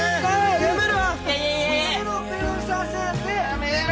やめろ！